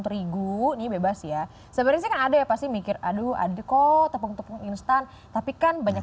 terigu ini bebas ya sebenarnya ada ya pasti mikir aduh aduh kok tepung tepung instan tapi kan banyak